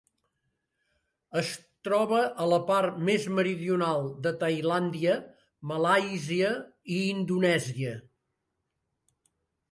Es troba a la part més meridional de Tailàndia, Malàisia i Indonèsia.